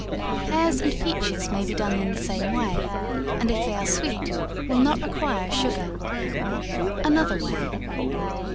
Pears and peaches may be done in the same way, and if they are sweet, will not require sugar. Another Way.